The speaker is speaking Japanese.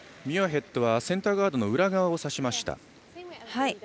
ミュアヘッドはセンターガードの裏側を指しました。